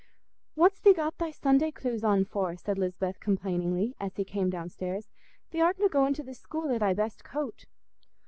"What's thee got thy Sunday cloose on for?" said Lisbeth complainingly, as he came downstairs. "Thee artna goin' to th' school i' thy best coat?"